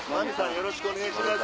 よろしくお願いします。